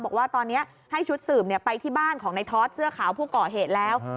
บอกว่าตอนนี้ให้ชุดสืบไปที่บ้านของในทอดเสื้อขาวผู้ก่อเหตุแล้ว